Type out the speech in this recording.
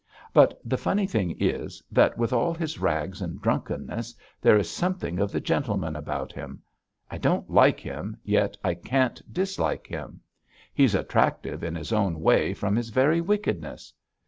But the funny thing is, that with all his rags and drunkenness there is something of the gentleman about him. I don't like him, yet I can't dislike him. He's attractive in his own way from his very wickedness.